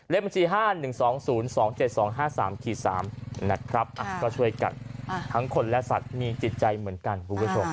บัญชี๕๑๒๐๒๗๒๕๓๓นะครับก็ช่วยกันทั้งคนและสัตว์มีจิตใจเหมือนกันคุณผู้ชม